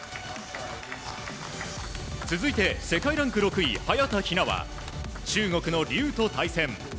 続いて、世界ランク６位早田ひなは中国のリュウと対戦。